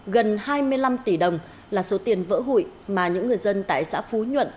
gần hai mươi năm tỷ đồng là số tiền vỡ hụi mà những người dân tại xã phú nhuận